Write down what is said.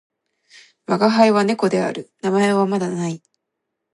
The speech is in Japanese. わがはいは猫である。名前はまだ無い。